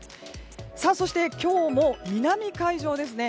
そして今日も南海上ですね